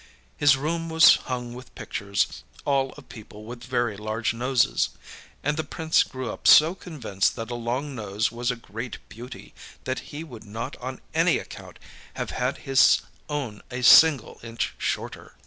His room was hung with pictures, all of people with very large noses; and the Prince grew up so convinced that a long nose was a great beauty, that he would not on any account have had his own a single inch shorter!